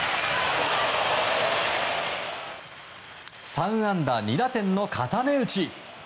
３安打２打点の固め打ち。